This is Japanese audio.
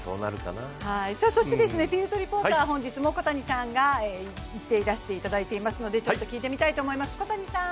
フィルードリポーターは本日も小谷さんが行っていらしていただいているので、ちょっと聞いてみたいと思います、小谷さん！